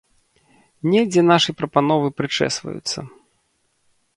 Недзе нашыя прапановы прычэсваюцца.